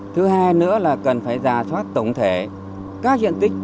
thứ hai nữa là cần phải giả soát tổng thể các diện tích